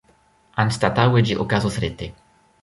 Anstataŭe ĝi okazos rete.